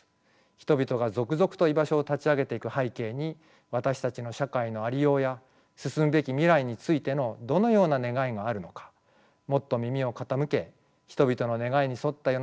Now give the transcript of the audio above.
人々が続々と居場所を立ち上げていく背景に私たちの社会のありようや進むべき未来についてのどのような願いがあるのかもっと耳を傾け人々の願いに沿った世の中をつくっていきたいと思います。